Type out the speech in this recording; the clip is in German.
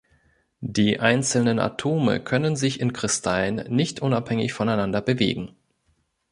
Die einzelnen Atome können sich in Kristallen nicht unabhängig voneinander bewegen.